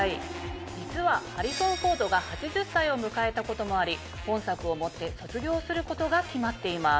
実はハリソン・フォードが８０歳を迎えたこともあり本作をもって卒業することが決まっています。